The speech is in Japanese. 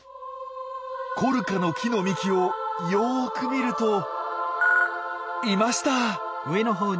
コルカの木の幹をよく見るといました！